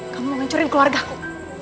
kamu mau ngancurin keluarga aku